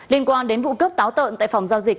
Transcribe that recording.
liên quan đến vụ cướp táo tợn tại phòng giao dịch